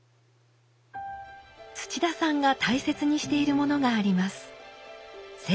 土田さんが大切にしているものがあります。